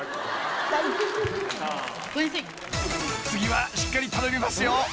［次はしっかり頼みますよ］